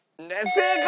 正解！